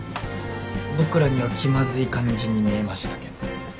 僕らには気まずい感じに見えましたけど。